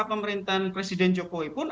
pemerintahan presiden jokowi pun